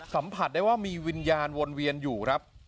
สัมผัสได้ว่ามีวิญญาณวนเวียนอยู่ครับ